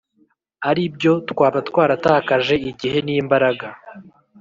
ari byo twaba twaratakaje igihe n’ imbaraga